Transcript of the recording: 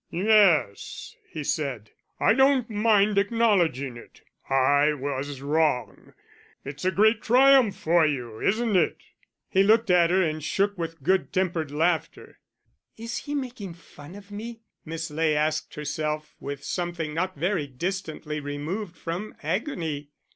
"Yes," he said, "I don't mind acknowledging it. I was wrong. It's a great triumph for you, isn't it?" He looked at her, and shook with good tempered laughter. "Is he making fun of me?" Miss Ley asked herself, with something not very distantly removed from agony.